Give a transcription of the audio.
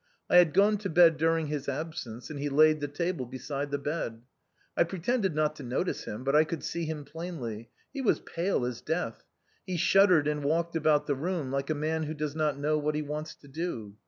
I had gone to bed during his absence, and he laid the table beside the bed. I pretended not to notice him, but T could see him plainly, he was pale as death, he shuddered and walked about the room like a man who does not know what he wants to do.